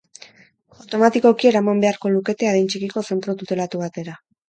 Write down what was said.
Automatikoki eraman beharko lukete adin txikiko zentro tutelatu batera.